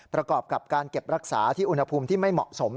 ประกอบกับการเก็บรักษาที่อุณหภูมิที่ไม่เหมาะสม